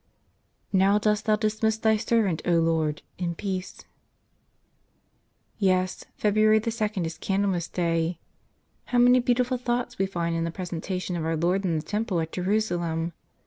124 "f3oto Dost Cb ou Dismiss Cbp ^ertiant, 0 Loro, in Ideate" ^^7 ES; February the second is Candlemas Day. %/ How many beautiful thoughts we find in the ^/ presentation of Our Lord in the Temple at Jerusalem!